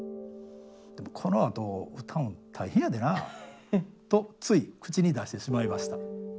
でもこのあと歌うん大変やでな』とつい口に出してしまいました。